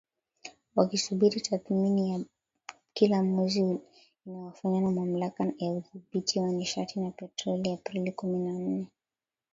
Wakisubiri tathmini ya bei kila mwezi inayofanywa na Mamlaka ya Udhibiti wa Nishati na Petroli Aprili kumi na nne